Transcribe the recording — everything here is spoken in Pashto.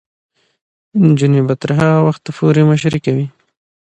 نجونې به تر هغه وخته پورې مشري کوي.